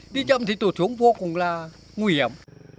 đi chậm thì tổ xuống vô cùng là nguy hiểm